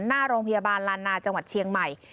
หน้าโรงพยาบาลลานาจังหวัดเชียงใหม่